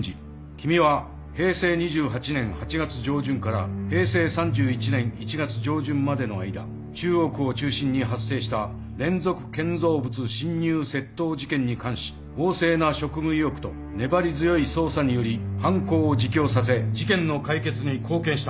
君は平成２８年８月上旬から平成３１年１月上旬までの間中央区を中心に発生した連続建造物侵入窃盗事件に関し旺盛な職務意欲と粘り強い捜査により犯行を自供させ事件の解決に貢献した。